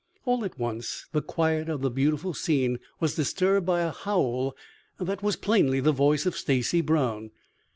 All at once the quiet of the beautiful scene was disturbed by a bowl that was plainly the voice of Stacy Brown.